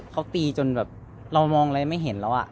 เวลาที่สุดตอนที่สุด